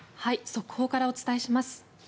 速報からお伝えします。